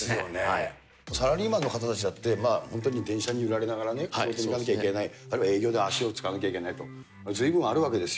サラリーマンの方たちだって、本当に電車に揺られながらね、仕事行かなきゃいけない、あるいは営業で足を使わなきゃいけないって、ずいぶんあるわけですよ。